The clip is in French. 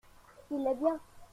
Il est bien.